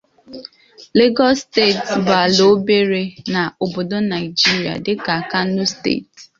Lagos State bu ala obere na obodo Naigeria, dika Kano State.